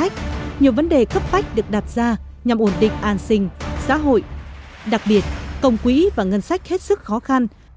các tờ bạc được đặt ra nhằm ổn định an sinh xã hội đặc biệt công quỹ và ngân sách hết sức khó khăn